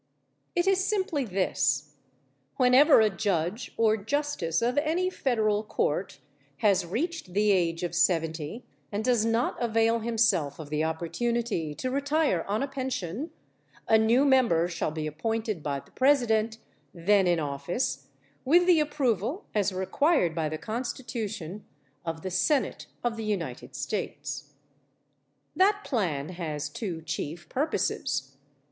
It is simply this: whenever a judge or justice of any federal court has reached the age of seventy and does not avail himself of the opportunity to retire on a pension, a new member shall be appointed by the President then in office, with the approval, as required by the Constitution, of the Senate of the United States. That plan has two chief purposes.